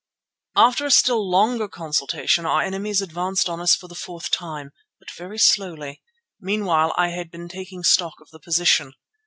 After a still longer consultation our enemies advanced on us for the fourth time, but very slowly. Meanwhile I had been taking stock of the position.